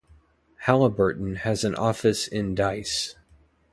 Halliburton has an office in Dyce.